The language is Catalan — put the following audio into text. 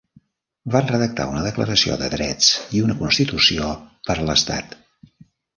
Van redactar una declaració de drets i una constitució per a l'Estat.